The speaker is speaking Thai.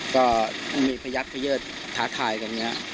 ก็มีพระยักษณ์เฮชฯภาคายทางเนี้ย